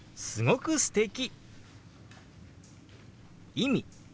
「意味」。